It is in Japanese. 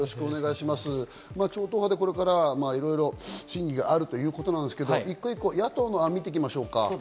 超党派でこれからいろいろ審議があるということなんですけど、野党の案を見ていきましょう。